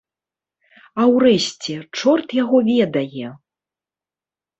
А ўрэшце, чорт яго ведае!